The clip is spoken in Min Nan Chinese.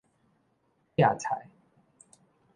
摘菜